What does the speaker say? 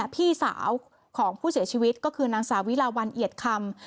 พี่สาวของผู้เสียชีวิตก็คือนางสาวิลาวันเอียดคำ